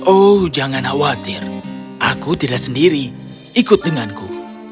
oh jangan khawatir aku tidak sendiri ikut denganku